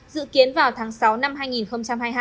dự kiến vào tháng sáu năm hai nghìn hai mươi hai